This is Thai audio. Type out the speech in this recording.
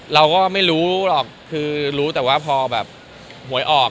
เราก็ไม่รู้หรอกแต่ก็พอสินวัฒนธุ์เอี้ยนออก